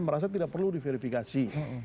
merasa tidak perlu diverifikasi